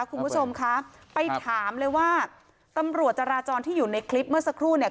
คุณผู้ชมคะไปถามเลยว่าตำรวจจราจรที่อยู่ในคลิปเมื่อสักครู่เนี่ย